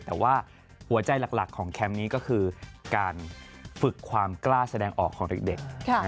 แต่ว่าหัวใจหลักของแคมป์นี้ก็คือการฝึกความกล้าแสดงออกของเด็ก